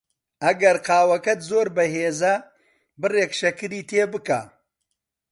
ئەگەر قاوەکەت زۆر بەهێزە، بڕێک شەکری تێ بکە.